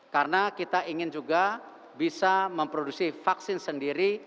karena kita ingin juga bisa memproduksi vaksin sendiri